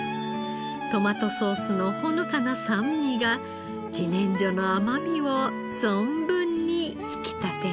トマトソースのほのかな酸味が自然薯の甘みを存分に引き立てます。